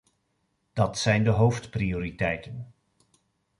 Dat zijn de hoofdprioriteiten.